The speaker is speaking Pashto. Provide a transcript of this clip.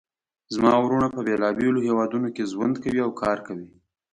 زما وروڼه په بیلابیلو هیوادونو کې ژوند کوي او کار کوي